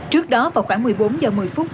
trước đó vào khoảng một mươi bốn h một mươi phút